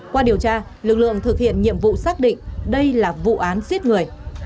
qua điều tra lực lượng thực hiện nhiệm vụ xác định đây là vụ án giết người